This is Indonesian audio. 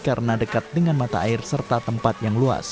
karena dekat dengan mata air serta tempat yang luas